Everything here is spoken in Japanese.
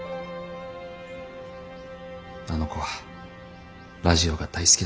あの子はラジオが大好きだったからな。